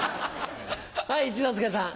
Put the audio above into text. はい一之輔さん。